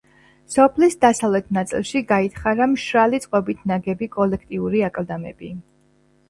სოფლის დასავლეთ ნაწილში გაითხარა მშრალი წყობით ნაგები კოლექტიური აკლდამები.